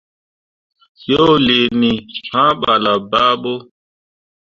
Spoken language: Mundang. Yo liini, hã ɓala baaɓo.